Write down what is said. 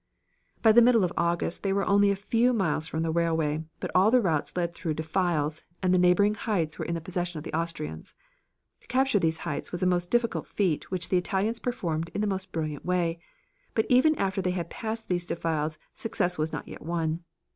By the middle of August they were only a few miles from the railway, but all the routes led through defiles, and the neighboring heights were in the possession of the Austrians. To capture these heights was a most difficult feat, which the Italians performed in the most brilliant way; but even after they had passed these defiles success was not yet won.